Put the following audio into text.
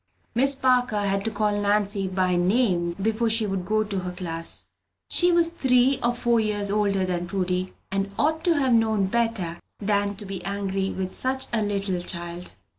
Miss Parker had to call Nannie by name before she would go to her class. She was three or four years older than Prudy, and ought to have known better than to be angry with such a little child.